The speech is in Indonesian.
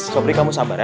sopri kamu sabar ya